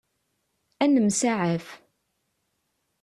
Ad nemsaɛaf.